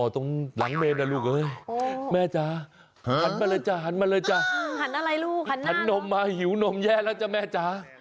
โธ่นะแม่ให้ดีใจมากมันมาแล้ว